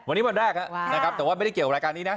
วันนี้วันแรกนะครับแต่ว่าไม่ได้เกี่ยวกับรายการนี้นะ